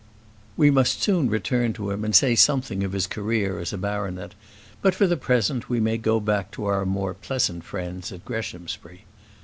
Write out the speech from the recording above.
We must soon return to him and say something of his career as a baronet; but for the present, we may go back to our more pleasant friends at Greshamsbury.